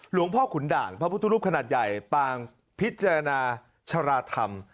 หลวงพ่อขุนด่างพระพุทธรูปขนาดใหญ่ปางพิจารณาชราธรรม